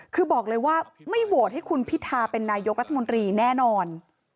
คือบอกเลยว่าไม่โหวตให้คุณพิธาเป็นนายกรัฐมนตรีแน่นอน